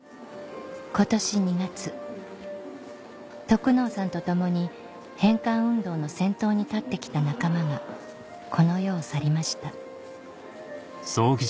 得能さんと共に返還運動の先頭に立って来た仲間がこの世を去りました